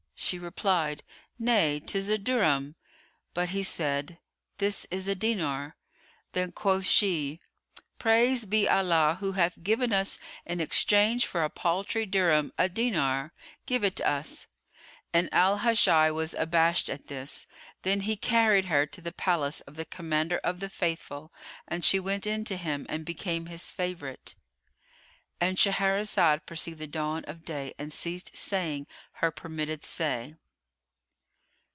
She replied, "Nay, 'tis a dirham." But he said, "This is a dinar." Then quoth she, "Praised be Allah who hath given us in exchange for a paltry dirham a dinar! Give it us." And Al Hajjaj was abashed at this. Then he carried her to the palace of the Commander of the Faithful, and she went in to him and became his favourite.——And Shahrazad perceived the dawn of day and ceased saying her permitted say.